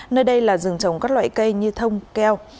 nơi đây là rừng trồng các loại cây như thông keo